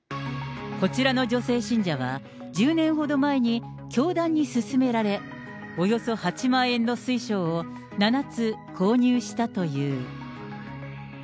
こちらの女性信者は１０年ほど前に教団に勧められ、およそ８万円の水晶を７つ購入したという。